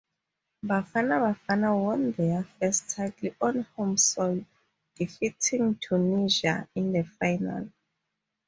"Bafana Bafana" won their first title on home soil, defeating Tunisia in the final.